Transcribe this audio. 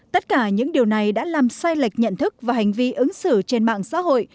tất cả những điều này đã làm sai lệch nhận thức và hành vi ứng xử trên mạng xã hội